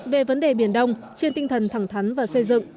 về vấn đề biển đông trên tinh thần thẳng thắn và xây dựng